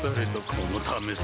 このためさ